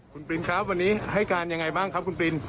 คุณปรินครับวันนี้ให้การยังไงบ้างครับคุณปริน